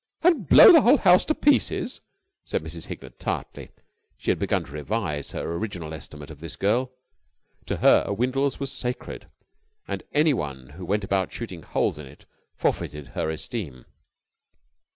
"And blow the whole house to pieces!" said Mrs. Hignett tartly. She had begun to revise her original estimate of this girl. To her, Windles was sacred, and anyone who went about shooting holes in it forfeited her esteem.